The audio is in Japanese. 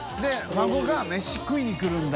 孫が飯食いに来るんだ。